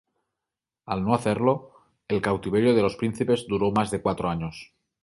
Al no hacerlo, el cautiverio de los príncipes duró más de cuatro años.